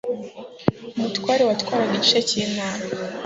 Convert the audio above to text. umutware watwaraga igice cy'ntara